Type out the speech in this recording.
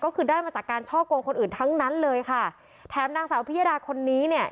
ก็คือได้มาจากการช่อกงคนอื่นทั้งนั้นเลยค่ะแถมนางสาวพิยดาคนนี้เนี่ย